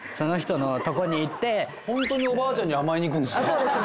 ほんとにおばあちゃんに甘えに行くんですね。